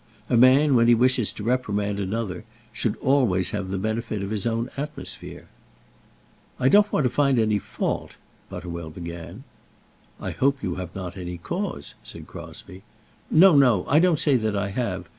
A man, when he wishes to reprimand another, should always have the benefit of his own atmosphere. "I don't want to find any fault," Butterwell began. "I hope you have not any cause," said Crosbie. "No, no; I don't say that I have.